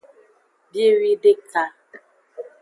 Biewideka.